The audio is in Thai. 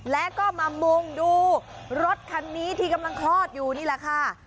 แล้วก็มามุงดูรถคันนี้ที่กำลังคลอดอยู่นี่แหละค่ะ